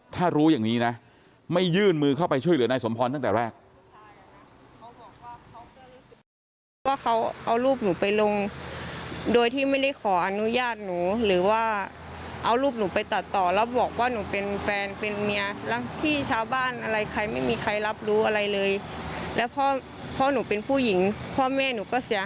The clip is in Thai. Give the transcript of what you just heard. ถ้ารู้อย่างนี้นะไม่ยื่นมือเข้าไปช่วยเหลือนายสมพรตั้งแต่แรก